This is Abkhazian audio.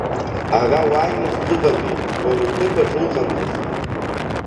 Ара уааины узсыватәеи, уара уҭыԥ аҿы уҟандаз?